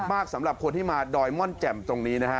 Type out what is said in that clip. สำหรับคนที่มาดอยม่อนแจ่มตรงนี้นะฮะ